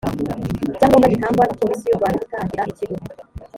icyangombwa gitangwa na polisi y u rwanda cyo gutangira ikigo